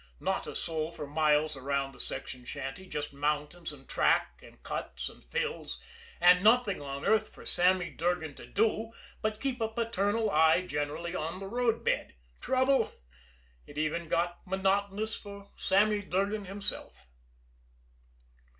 Not a soul for miles around the section shanty, just mountains and track and cuts and fills, and nothing on earth for Sammy Durgan to do but keep a paternal eye generally on the roadbed. Trouble? It even got monotonous for Sammy Durgan himself.